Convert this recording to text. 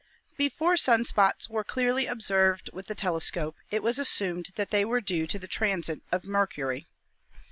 Before sun spots were clearly observed with the tele scope it was assumed that they were due to the transit of Mercury.